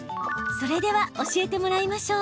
それでは教えてもらいましょう。